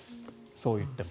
そう言っても。